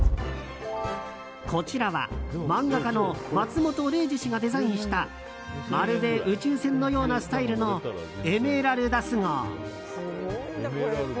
こちらは、漫画家の松本零士氏がデザインしたまるで宇宙船のようなスタイルの「エメラルダス号」。